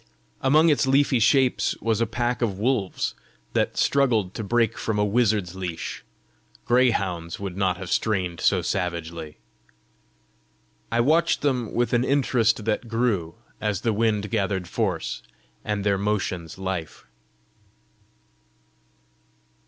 Among its leafy shapes was a pack of wolves that struggled to break from a wizard's leash: greyhounds would not have strained so savagely! I watched them with an interest that grew as the wind gathered force, and their motions life.